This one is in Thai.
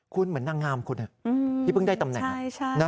คุณเหมือนนางงามคุณที่เพิ่งได้ตำแหน่ง